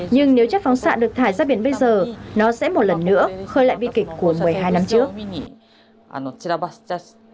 nhưng nếu chất phóng xạ được thải ra biển bây giờ nó sẽ một lần nữa khơi lại bi kịch của một mươi hai năm trước